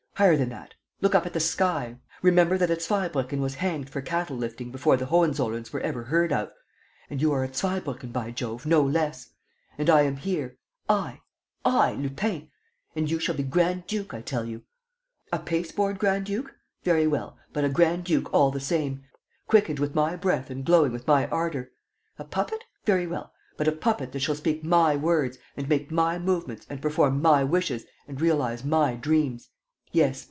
Higher than that! Look up at the sky, remember that a Zweibrucken was hanged for cattle lifting before the Hohenzollerns were ever heard of. And you are a Zweibrucken, by Jove, no less; and I am here, I, I, Lupin! And you shall be grand duke, I tell you! A paste board grand duke? Very well! But a grand duke all the same, quickened with my breath and glowing with my ardor. A puppet? Very well. But a puppet that shall speak my words and make my movements and perform my wishes and realize my dreams ... yes